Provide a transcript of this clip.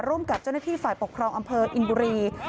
ร่วมกับเจ้าหน้าที่ฝ่ายปกครองอำเภออินบุรี